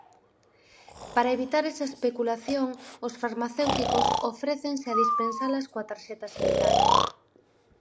Para evitar esa especulación, os farmacéuticos ofrécense a dispensalas coa tarxeta sanitaria.